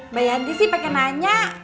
mbak yanti sih pengen nanya